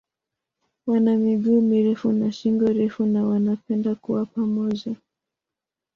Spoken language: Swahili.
Wana miguu mirefu na shingo refu na wanapenda kuwa pamoja.